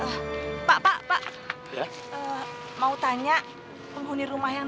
gimana ini minta dia jalan ke luar sana